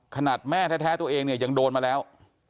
ขนาดแม่แท้ตัวเองเนี่ยยังโดนมาแล้ว